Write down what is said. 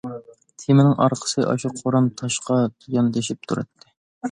تېمىنىڭ ئارقىسى ئاشۇ قورام تاشقا ياندىشىپ تۇراتتى.